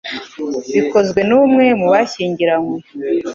bikozwe n umwe mu bashyingiranywe